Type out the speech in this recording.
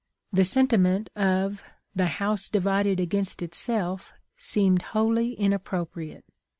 The sentiment of the 'house divided against itself seemed wholly inappropriate.